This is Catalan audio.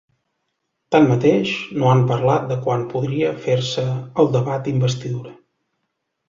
Tanmateix, no han parlat de quan podria fer-se el debat d’investidura.